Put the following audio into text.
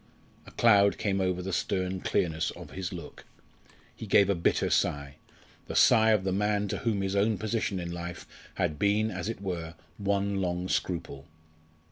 A cloud came over the stern clearness of his look. He gave a bitter sigh the sigh of the man to whom his own position in life had been, as it were, one long scruple.